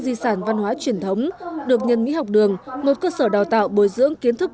di sản văn hóa truyền thống được nhân mỹ học đường một cơ sở đào tạo bồi dưỡng kiến thức